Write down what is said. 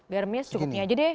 garamnya secukupnya aja deh